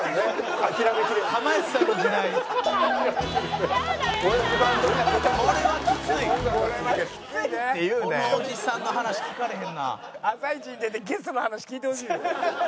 『あさイチ』に出てゲストの話聞いてほしい。